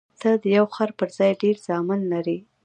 ته د یو خر پر ځای ډېر زامن لرې.